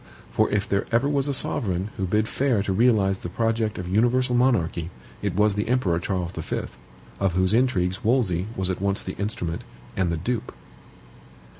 For if there ever was a sovereign who bid fair to realize the project of universal monarchy, it was the Emperor Charles V., of whose intrigues Wolsey was at once the instrument and the dupe.